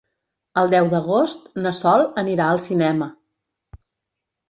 El deu d'agost na Sol anirà al cinema.